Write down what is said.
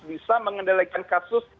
bisa mengendalikan kasus